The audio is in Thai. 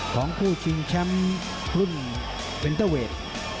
ของคู่ชิงแชมป์รุ่นเฟนเตอร์เวท